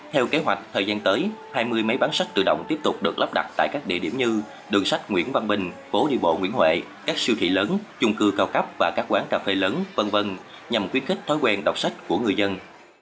theo kế hoạch thời gian tới hai mươi máy bán sách tự động tiếp tục được lắp đặt tại các địa điểm như đường sách nguyễn văn bình phố đi bộ nguyễn huệ các siêu thị lớn chung cư cao cấp và các quán cà phê lớn v v nhằm khuyến khích thói quen đọc sách của người dân